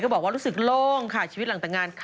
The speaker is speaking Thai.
เขาบอกแค่ม่าน